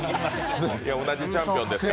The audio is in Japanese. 同じチャンピオンですから。